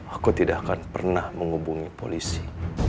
aku tidak akan pernah menghubungi polisi